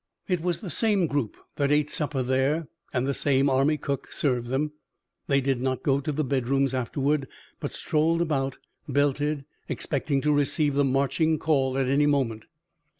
It was the same group that ate supper there and the same army cook served them. They did not go to the bedrooms afterward, but strolled about, belted, expecting to receive the marching call at any moment.